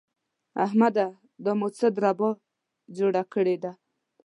احمده! دا مو څه دربه جوړه کړې ده؟!